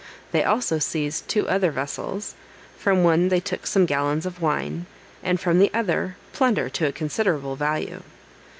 They also seized two other vessels; from one they took some gallons of wine, and from the other, plunder to a considerable value.